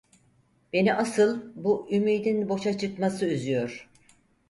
Beni asıl, bu ümidin boşa çıkması üzüyor…